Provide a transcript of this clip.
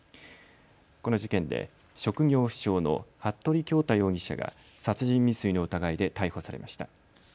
この事件で職業不詳の服部恭太容疑者が殺人未遂の疑いで逮捕されました。